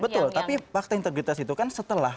betul tapi fakta integritas itu kan setelah